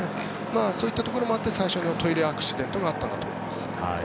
そういったところもあって最初のトイレアクシデントがあったんだと思います。